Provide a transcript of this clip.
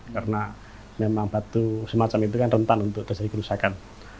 karena memang batu semacam itu kan rentan untuk terjadi kerusakan